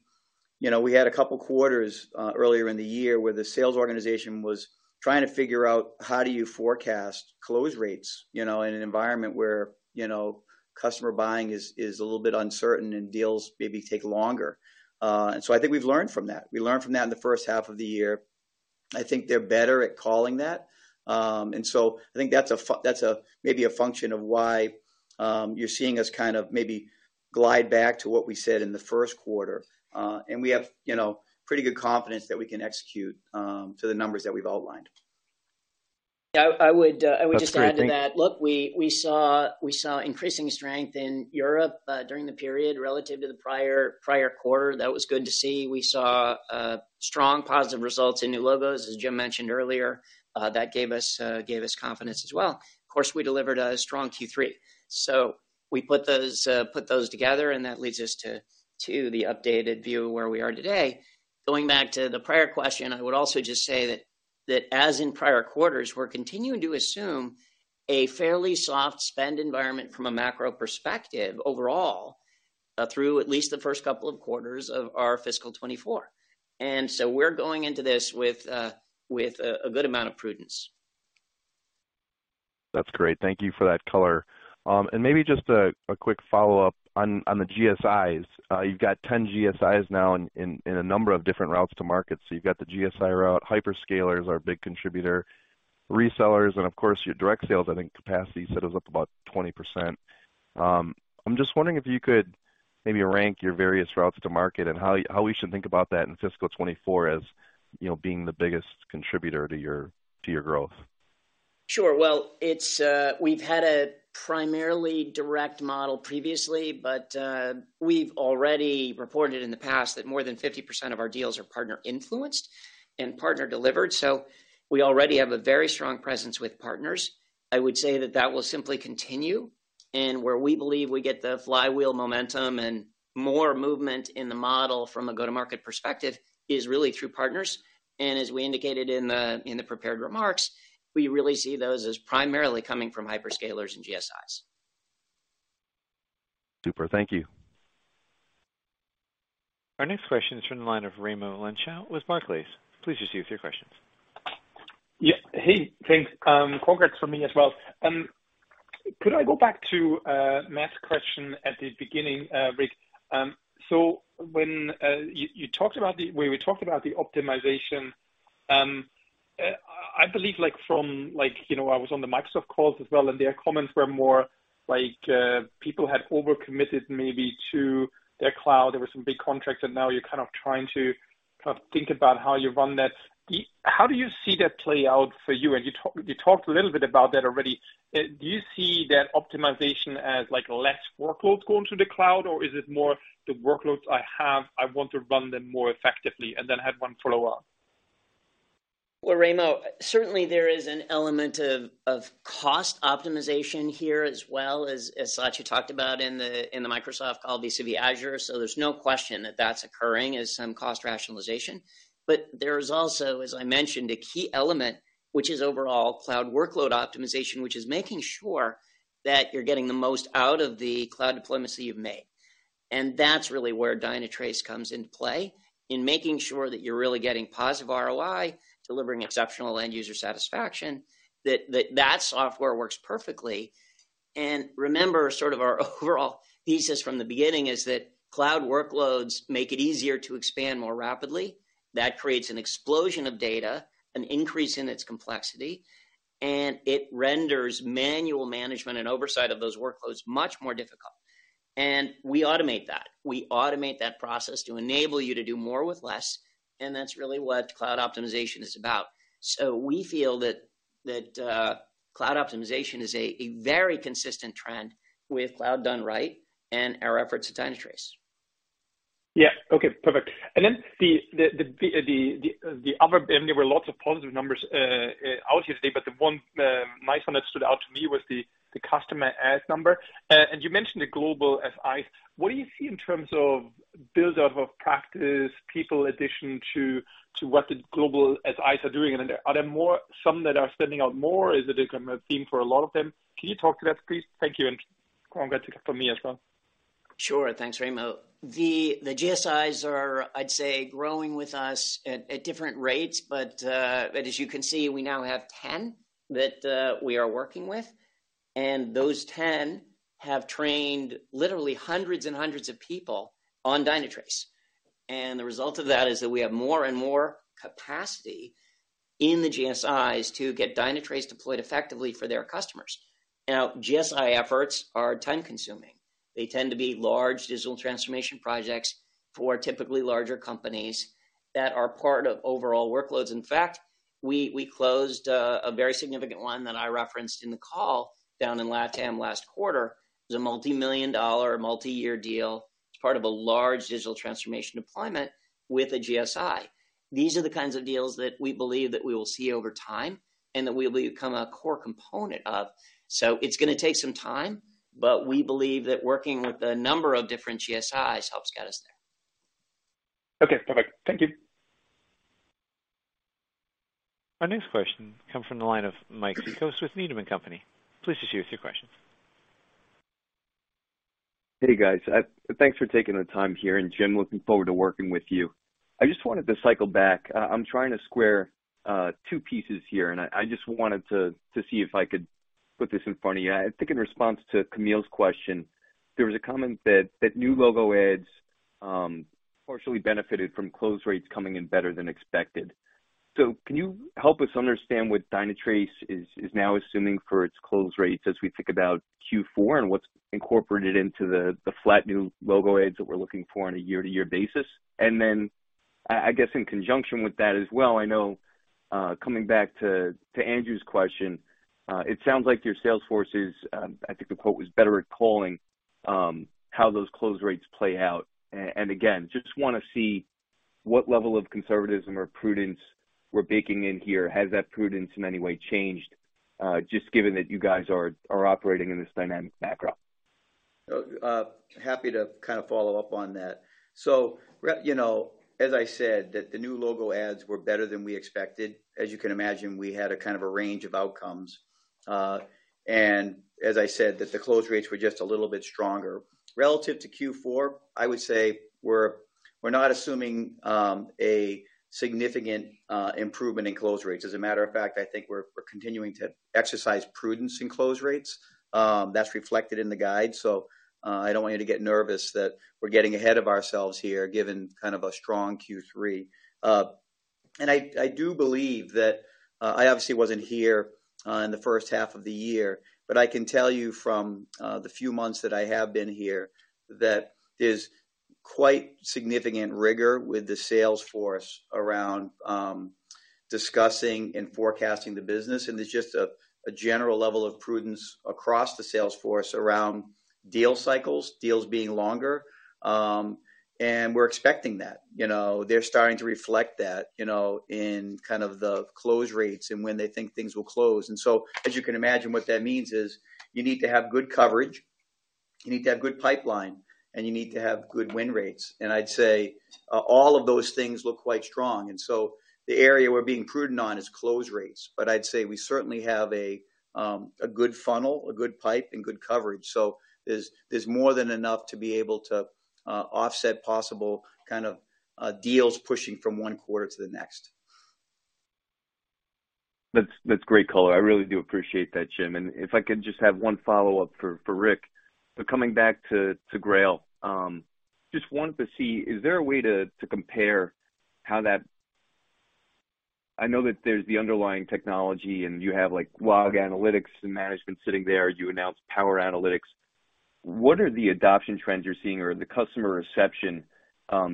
know, we had a couple quarters earlier in the year where the sales organization was trying to figure out how do you forecast close rates, you know, in an environment where, you know, customer buying is a little bit uncertain and deals maybe take longer. I think we've learned from that. We learned from that in the first half of the year. I think they're better at calling that. I think that's a maybe a function of why, you're seeing us kind of maybe glide back to what we said in the first quarter. We have, you know, pretty good confidence that we can execute, to the numbers that we've outlined.
Yeah. I would just add to that.
That's great.
Look, we saw increasing strength in Europe during the period relative to the prior quarter. That was good to see. We saw strong positive results in new logos, as Jim mentioned earlier. That gave us confidence as well. Of course, we delivered a strong Q3. We put those together, and that leads us to the updated view of where we are today. Going back to the prior question, I would also just say that as in prior quarters, we're continuing to assume a fairly soft spend environment from a macro perspective overall through at least the first couple of quarters of our fiscal 24. We're going into this with a good amount of prudence.
That's great. Thank you for that color. Maybe just a quick follow-up on the GSIs. You've got 10 GSIs now in a number of different routes to market. You've got the GSI route, hyperscalers are a big contributor, resellers, and of course, your direct sales, I think, capacity set is up about 20%. I'm just wondering if you could maybe rank your various routes to market and how we should think about that in fiscal 2024 as, you know, being the biggest contributor to your growth.
Sure. Well, it's, we've had a primarily direct model previously. We've already reported in the past that more than 50% of our deals are partner influenced and partner delivered. We already have a very strong presence with partners. I would say that that will simply continue. Where we believe we get the flywheel momentum and more movement in the model from a go-to-market perspective is really through partners. As we indicated in the, in the prepared remarks, we really see those as primarily coming from hyperscalers and GSIs.
Super. Thank you.
Our next question is from the line of Raimo Lenschow with Barclays. Please proceed with your questions.
Hey, thanks. Congrats from me as well. Could I go back to Matt's question at the beginning, Rick? When you talked about the... Where you talked about the optimization, I believe, like from like, you know, I was on the Microsoft calls as well, and their comments were more like people had overcommitted maybe to their cloud. There were some big contracts, and now you're kind of trying to think about how you run that. How do you see that play out for you? You talked a little bit about that already. Do you see that optimization as like less workloads going to the cloud, or is it more the workloads I have, I want to run them more effectively? Then I have one follow-up.
Well, Raimo, certainly there is an element of cost optimization here as well as Satya talked about in the Microsoft call vis-a-vis Azure. There's no question that that's occurring as some cost rationalization. There's also, as I mentioned, a key element, which is overall cloud workload optimization, which is making sure that you're getting the most out of the cloud deployment that you've made. That's really where Dynatrace comes into play in making sure that you're really getting positive ROI, delivering exceptional end user satisfaction, that software works perfectly. Remember, sort of our overall thesis from the beginning is that cloud workloads make it easier to expand more rapidly. That creates an explosion of data, an increase in its complexity, and it renders manual management and oversight of those workloads much more difficult. We automate that. We automate that process to enable you to do more with less, and that's really what cloud optimization is about. We feel that cloud optimization is a very consistent trend with cloud done right and our efforts at Dynatrace.
Yeah. Okay, perfect. Then the other. There were lots of positive numbers out here today, but the one nice one that stood out to me was the customer add number. You mentioned the global FIs. What do you see in terms of build-out of practice, people addition to what the global FIs are doing? Are there more some that are spending out more? Is it a common theme for a lot of them? Can you talk to that, please? Thank you, and congrats from me as well.
Sure. Thanks, Raimo. The GSIs are, I'd say, growing with us at different rates, but as you can see, we now have 10 that we are working with, and those 10 have trained literally hundreds and hundreds of people on Dynatrace. The result of that is that we have more and more capacity in the GSIs to get Dynatrace deployed effectively for their customers. Now, GSI efforts are time-consuming. They tend to be large digital transformation projects for typically larger companies that are part of overall workloads. In fact, we closed a very significant one that I referenced in the call down in LatAm last quarter. It was a multi-million dollar, multi-year deal. It's part of a large digital transformation deployment with a GSI. These are the kinds of deals that we believe that we will see over time and that we'll become a core component of. It's going to take some time, but we believe that working with a number of different GSIs helps get us there.
Okay, perfect. Thank you.
Our next question comes from the line of Mike Cikos with Needham & Company. Please proceed with your question.
Hey, guys. Thanks for taking the time here. Jim, looking forward to working with you. I just wanted to cycle back. I'm trying to square, two pieces here, and I just wanted to see if I could put this in front of you. I think in response to Kamil's question, there was a comment that new logo adds, partially benefited from close rates coming in better than expected. Can you help us understand what Dynatrace is now assuming for its close rates as we think about Q4 and what's incorporated into the flat new logo adds that we're looking for on a year-to-year basis? I guess in conjunction with that as well, I know, coming back to Andrew's question, it sounds like your sales force is, I think the quote was better at calling, how those close rates play out. Again, just wanna see what level of conservatism or prudence we're baking in here. Has that prudence in any way changed, just given that you guys are operating in this dynamic backdrop?
Happy to kind of follow up on that. You know, as I said, that the new logo adds were better than we expected. As you can imagine, we had a kind of a range of outcomes. As I said, that the close rates were just a little bit stronger. Relative to Q4, I would say we're not assuming a significant improvement in close rates. As a matter of fact, I think we're continuing to exercise prudence in close rates. That's reflected in the guide. I don't want you to get nervous that we're getting ahead of ourselves here, given kind of a strong Q3.
I do believe that I obviously wasn't here in the first half of the year, but I can tell you from the few months that I have been here.
Quite significant rigor with the sales force around discussing and forecasting the business. There's just a general level of prudence across the sales force around deal cycles, deals being longer. We're expecting that. You know, they're starting to reflect that, you know, in kind of the close rates and when they think things will close. As you can imagine, what that means is you need to have good coverage, you need to have good pipeline, and you need to have good win rates. I'd say, all of those things look quite strong. The area we're being prudent on is close rates. I'd say we certainly have a good funnel, a good pipe, and good coverage. There's more than enough to be able to offset possible kind of deals pushing from one quarter to the next.
That's great color. I really do appreciate that, Jim. If I could just have one follow-up for Rick. Coming back to Grail, just wanted to see, is there a way to compare how that... I know that there's the underlying technology, and you have, like, log analytics and management sitting there. You announced power analytics. What are the adoption trends you're seeing or the customer reception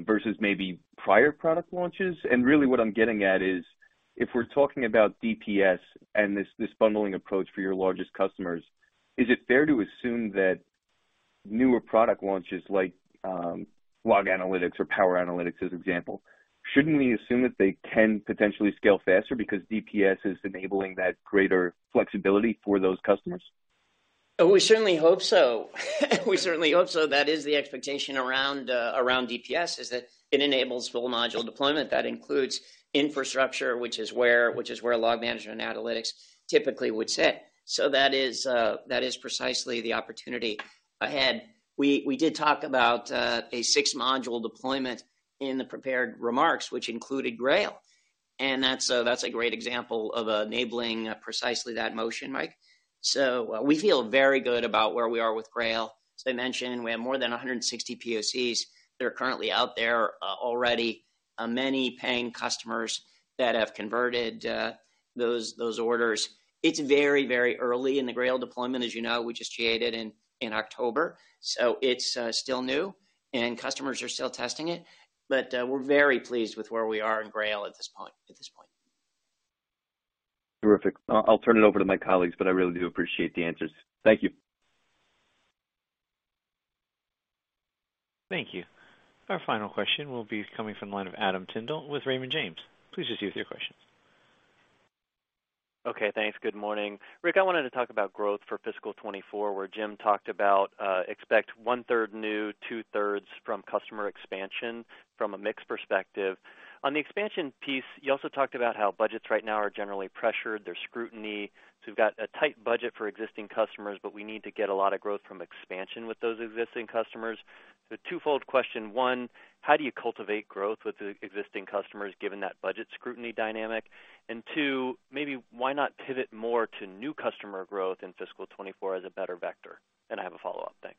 versus maybe prior product launches? Really what I'm getting at is, if we're talking about DPS and this bundling approach for your largest customers, is it fair to assume that newer product launches like log analytics or power analytics, as example, shouldn't we assume that they can potentially scale faster because DPS is enabling that greater flexibility for those customers?
We certainly hope so. We certainly hope so. That is the expectation around DPS, is that it enables full module deployment. That includes infrastructure, which is where log management and analytics typically would sit. That is precisely the opportunity ahead. We did talk about a 6-module deployment in the prepared remarks, which included Grail. That's a great example of enabling precisely that motion, Mike. We feel very good about where we are with Grail. As I mentioned, we have more than 160 POCs that are currently out there, already many paying customers that have converted those orders. It's very early in the Grail deployment. As you know, we just GA-ed it in October. It's still new, and customers are still testing it. We're very pleased with where we are in Grail at this point.
Terrific. I'll turn it over to my colleagues, but I really do appreciate the answers. Thank you.
Thank you. Our final question will be coming from the line of Adam Tindle with Raymond James. Please just use your question.
Okay. Thanks. Good morning. Rick, I wanted to talk about growth for fiscal 2024, where Jim talked about, expect 1/3 new, 2/3 from customer expansion from a mix perspective. On the expansion piece, you also talked about how budgets right now are generally pressured, there's scrutiny. We've got a tight budget for existing customers, but we need to get a lot of growth from expansion with those existing customers. Twofold question. One, how do you cultivate growth with existing customers given that budget scrutiny dynamic? Two, maybe why not pivot more to new customer growth in fiscal 2024 as a better vector? I have a follow-up. Thanks.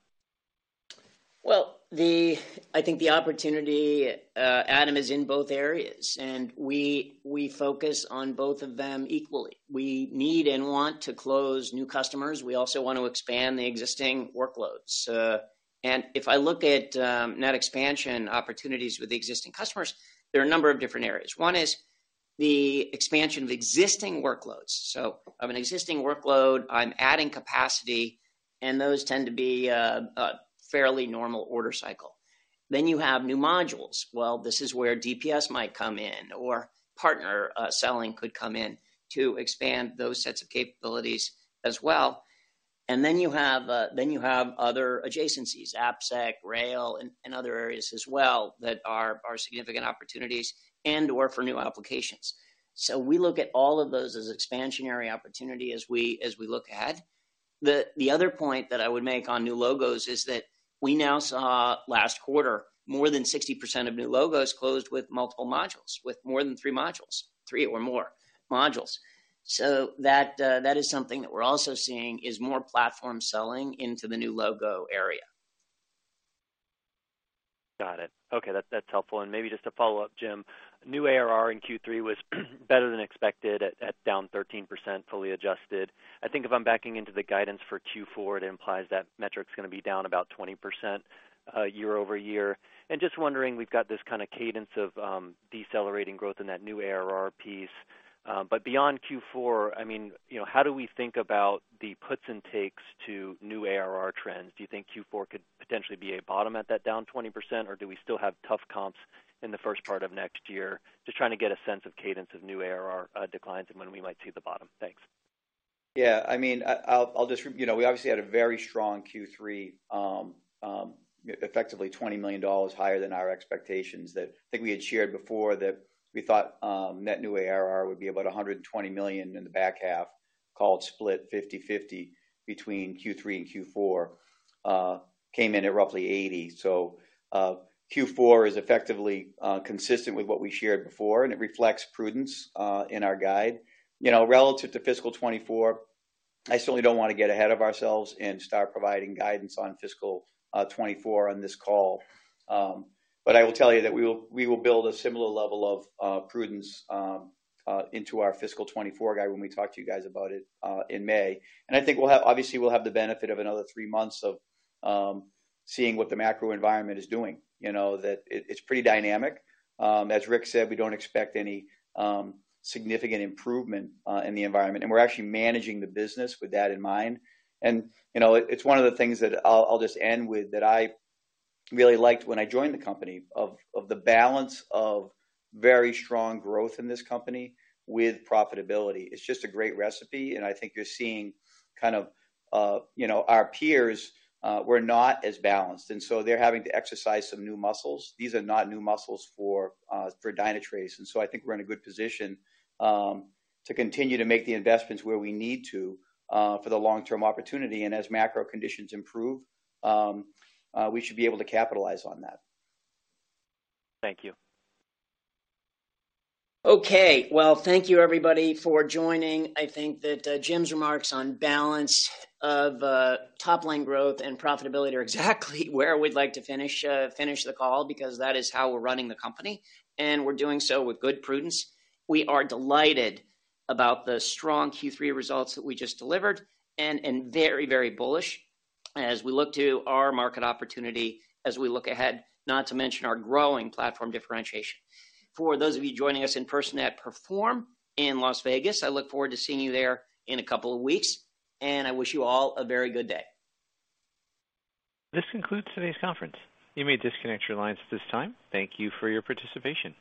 Well, I think the opportunity, Adam, is in both areas, and we focus on both of them equally. We need and want to close new customers. We also wanna expand the existing workloads. If I look at net expansion opportunities with existing customers, there are a number of different areas. One is the expansion of existing workloads. So of an existing workload, I'm adding capacity, and those tend to be a fairly normal order cycle. Then you have new modules. Well, this is where DPS might come in or partner selling could come in to expand those sets of capabilities as well. Then you have other adjacencies, AppSec, Grail, and other areas as well that are significant opportunities and/or for new applications. We look at all of those as expansionary opportunity as we look ahead. The other point that I would make on new logos is that we now saw last quarter, more than 60% of new logos closed with multiple modules, with more than 3 modules, 3 or more modules. That is something that we're also seeing is more platform selling into the new logo area.
Got it. Okay. That's helpful. Maybe just to follow up, Jim, new ARR in Q3 was better than expected at down 13% fully adjusted. I think if I'm backing into the guidance for Q4, it implies that metric's gonna be down about 20% year-over-year. Just wondering, we've got this kinda cadence of decelerating growth in that new ARR piece. Beyond Q4, I mean, you know, how do we think about the puts and takes to new ARR trends? Do you think Q4 could potentially be a bottom at that down 20%, or do we still have tough comps in the first part of next year? Just trying to get a sense of cadence of new ARR declines and when we might see the bottom. Thanks.
Yeah, I mean, I'll just You know, we obviously had a very strong Q3, effectively $20 million higher than our expectations that I think we had shared before, that we thought, net new ARR would be about $120 million in the back half, called split 50/50 between Q3 and Q4. came in at roughly $80 million. Q4 is effectively consistent with what we shared before, and it reflects prudence in our guide. You know, relative to fiscal 2024, I certainly don't wanna get ahead of ourselves and start providing guidance on fiscal 2024 on this call. I will tell you that we will build a similar level of prudence into our fiscal 2024 guide when we talk to you guys about it in May. I think we'll have obviously, we'll have the benefit of another 3 months of seeing what the macro environment is doing. You know, that it's pretty dynamic. As Rick said, we don't expect any significant improvement in the environment, and we're actually managing the business with that in mind. You know, it's one of the things that I'll just end with that I really liked when I joined the company, of the balance of very strong growth in this company with profitability. It's just a great recipe, and I think you're seeing kind of, you know, our peers were not as balanced, and so they're having to exercise some new muscles. These are not new muscles for Dynatrace, and so I think we're in a good position to continue to make the investments where we need to for the long-term opportunity. As macro conditions improve, we should be able to capitalize on that.
Thank you.
Okay. Well, thank you everybody for joining. I think that Jim's remarks on balance of top line growth and profitability are exactly where we'd like to finish the call, because that is how we're running the company, and we're doing so with good prudence. We are delighted about the strong Q3 results that we just delivered and very, very bullish as we look to our market opportunity as we look ahead, not to mention our growing platform differentiation. For those of you joining us in person at Perform in Las Vegas, I look forward to seeing you there in a couple of weeks, and I wish you all a very good day.
This concludes today's conference. You may disconnect your lines at this time. Thank you for your participation.